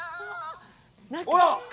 ほら！